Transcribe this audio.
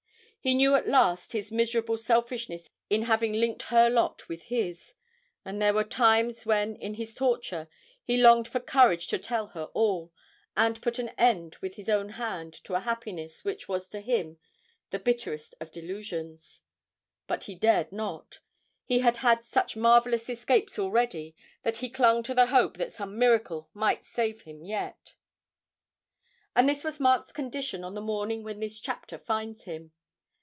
He knew at last his miserable selfishness in having linked her lot with his, and there were times when in his torture he longed for courage to tell her all, and put an end with his own hand to a happiness which was to him the bitterest of delusions. But he dared not; he had had such marvellous escapes already that he clung to the hope that some miracle might save him yet. And this was Mark's condition on the morning when this chapter finds him.